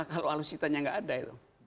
kalau alus hitamnya gak ada itu